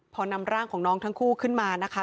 พอนำร่างของน้องทั้งคู่ขึ้นมานะคะ